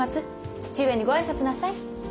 父上にご挨拶なさい。